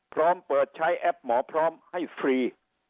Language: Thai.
พร้อมเปิดใช้แอปหมอพร้อมให้ฟรี